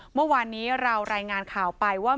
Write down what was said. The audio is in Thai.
เมื่อวานนี้เรารายงานข่าวไปว่า